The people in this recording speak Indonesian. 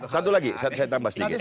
saya terangkan satu hal